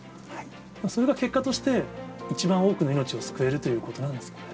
それが結果として、一番、多くの命を救えるということなんですかね？